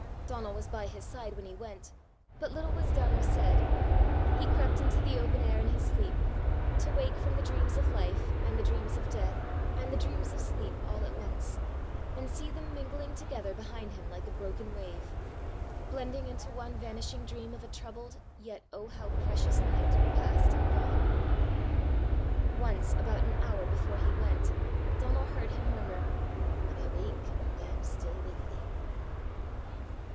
Donal was by his side when he went, but little was done or said; he crept into the open air in his sleep, to wake from the dreams of life and the dreams of death and the dreams of sleep all at once, and see them mingling together behind him like a broken wave blending into one vanishing dream of a troubled, yet, oh, how precious night past and gone! Once, about an hour before he went, Donal heard him murmur, "When I wake I am still with thee!"